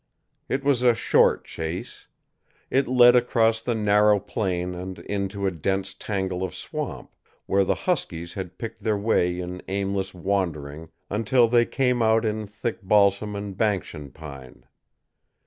It was a short chase. It led across the narrow plain and into a dense tangle of swamp, where the huskies had picked their way in aimless wandering until they came out in thick balsam and Banksian pine.